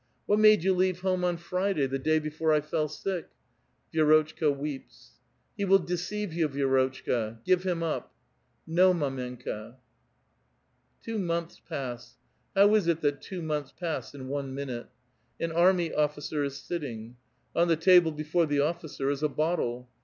What made you leave home on Friday, the da}' before I fell sick? " Vi^rotchka weeps. ''He will deceive you, Vi^rotchka. Give him up." " No, mdmenka.'* Two months pass. How is it that two months pass in one minute? An army officer is sittinyr. On the table before tlie officer is a bottle.